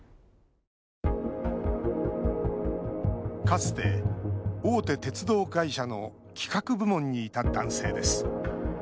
かつて、大手鉄道会社の企画部門にいた男性です。